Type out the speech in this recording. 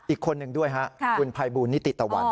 อีกคนหนึ่งด้วยฮะคุณภัยบูลนิติตะวัน